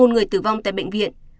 một người tử vong tại bệnh viện